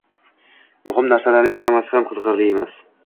Muhim narsalarning hammasi ham qiziqarli emas.